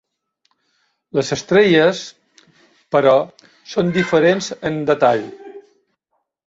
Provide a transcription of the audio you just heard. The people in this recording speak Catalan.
Les estrelles, però, són diferents en detall.